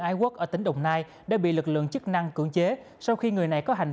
tân phong và tỉnh đồng nai đã bị lực lượng chức năng cưỡng chế sau khi người này có hành